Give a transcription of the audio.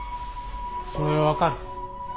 それは分かる。